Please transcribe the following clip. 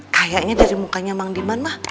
kayaknya dari mukanya mang diman mah